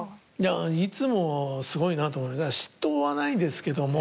いつもすごいなと思う嫉妬はないですけども。